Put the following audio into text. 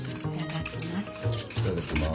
いただきます。